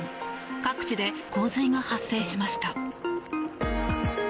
各地で洪水が発生しました。